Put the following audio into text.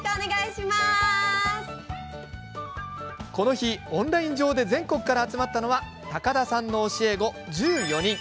この日、オンライン上で全国から集まったのは高田さんの教え子１４人。